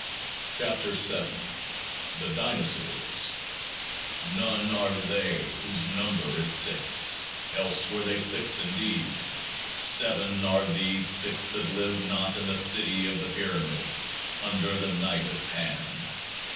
14 KEOAAH Z THE DINOSAURS None are They whose number is Six : 5 else were they six indeed. Seven 6 are these Six that live not in the City of the Pyramids, under the Night of Pan.